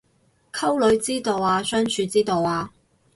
溝女之道啊相處之道啊